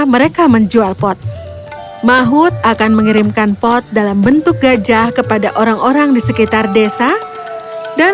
mereka menjual pot mahhud akan mengirimkan pot dalam bentuk gajah kepada orang orang di sekitar desa dan